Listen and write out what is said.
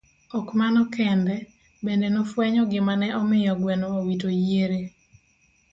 Ok mano kende, bende nofwenyo gima ne omiyo gweno owito yiere.